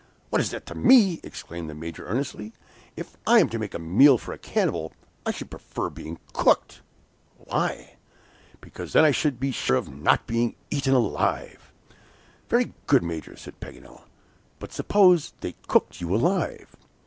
"What is that to me!" exclaimed the Major, earnestly. "If I am to make a meal for a cannibal, I should prefer being cooked." "Why?" "Because then I should be sure of not being eaten alive!" "Very good. Major," said Paganel; "but suppose they cooked you alive?"